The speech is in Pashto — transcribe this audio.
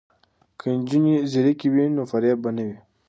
که نجونې ځیرکې وي نو فریب به نه وي.